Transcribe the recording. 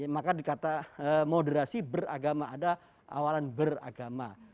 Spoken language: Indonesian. maka dikata moderasi beragama ada awalan beragama